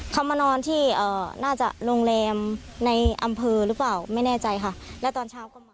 เขามานอนที่น่าจะโรงแรมในอำเภอหรือเปล่าไม่แน่ใจค่ะแล้วตอนเช้าก็มา